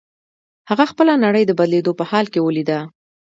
هغه خپله نړۍ د بدلېدو په حال کې وليده.